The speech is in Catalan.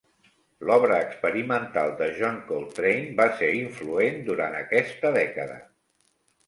L'obra experimental de John Coltrane va ser influent durant aquesta dècada.